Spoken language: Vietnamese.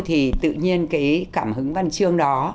thì tự nhiên cái cảm hứng văn chương đó